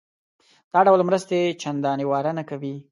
دا ډول مرستې چندانې واره نه کوي.